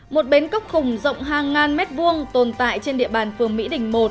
một bến cóc khùng rộng hàng ngàn mét vuông tồn tại trên địa bàn phường mỹ đình một